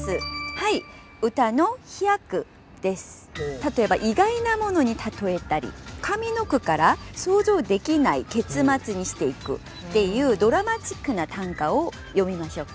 例えば意外なものに例えたり上の句から想像できない結末にしていくっていうドラマチックな短歌を詠みましょうか。